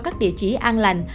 các địa chỉ an lành